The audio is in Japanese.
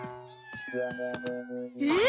えっ！？